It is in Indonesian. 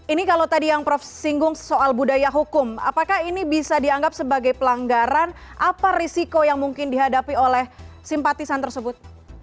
ini kalau tadi yang prof singgung soal budaya hukum apakah ini bisa dianggap sebagai pelanggaran apa risiko yang mungkin dihadapi oleh simpatisan tersebut